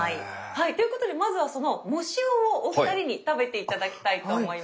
はいということでまずはその藻塩をお二人に食べて頂きたいと思います。